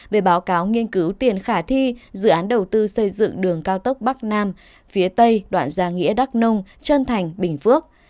về báo cáo nghiên cứu tiền khả thi dự án đầu tư xây dựng đường cao tốc bắc nam phía tây đoạn gia nghĩa đắc nông trơn thành bình phước